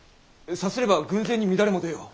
さすれば軍勢に乱れも出よう。